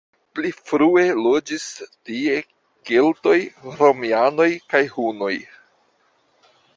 Pli frue loĝis tie keltoj, romianoj kaj hunoj.